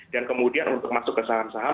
dan kemudian untuk masuk ke saham saham